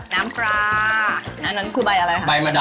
น้ำปลา